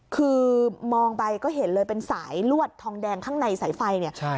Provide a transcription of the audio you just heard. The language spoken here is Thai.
คือมองไปก็เห็นเลยเป็นสายลวดทองแดงข้างในสายไฟเนี่ย